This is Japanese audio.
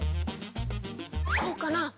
こうかな？